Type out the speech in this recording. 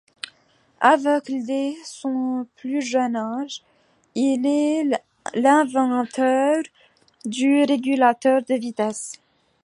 Aveugle dès son plus jeune âge, il est l'inventeur du régulateur de vitesse.